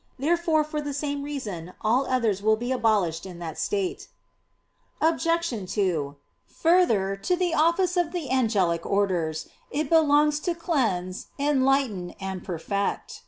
Therefore for the same reason all others will be abolished in that state. Obj. 2: Further, to the office of the angelic orders it belongs to cleanse, enlighten, and perfect.